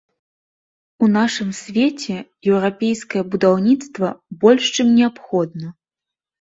У нашым свеце еўрапейскае будаўніцтва больш чым неабходна.